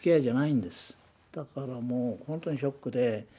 だからもう本当にショックで。